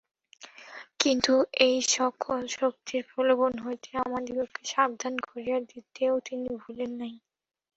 কিন্তু এই-সকল শক্তির প্রলোভন হইতে আমাদিগকে সাবধান করিয়া দিতেও তিনি ভুলেন নাই।